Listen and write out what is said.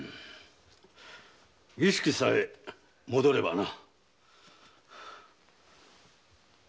意識さえ戻ればな。